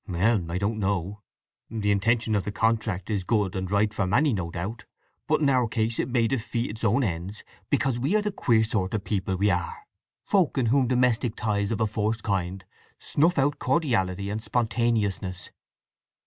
"Well, I don't know. The intention of the contract is good, and right for many, no doubt; but in our case it may defeat its own ends because we are the queer sort of people we are—folk in whom domestic ties of a forced kind snuff out cordiality and spontaneousness."